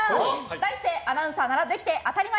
題して、アナウンサーならできて当たり前！